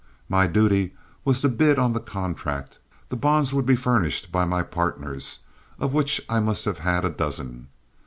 My duty was to bid on the contract; the bonds would be furnished by my partners, of which I must have had a dozen.